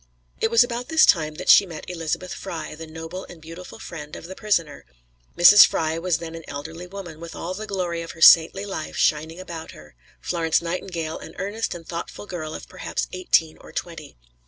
It was about this time that she met Elizabeth Fry, the noble and beautiful friend of the prisoner. Mrs. Fry was then an elderly woman, with all the glory of her saintly life shining about her; Florence Nightingale an earnest and thoughtful girl of perhaps eighteen or twenty.